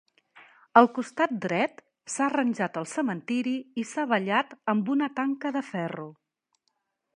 Al costat dret s'ha arranjat el cementiri i s'ha ballat amb una tanca de ferro.